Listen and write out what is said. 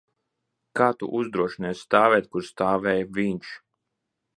Kā tu uzdrošinies stāvēt, kur stāvēja viņš?